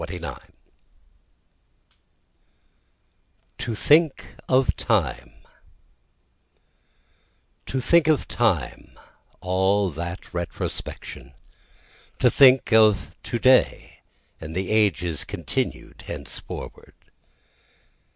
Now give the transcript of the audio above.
BOOK XXIX To Think of Time 1 To think of time of all that retrospection, To think of to day, and the ages continued henceforward.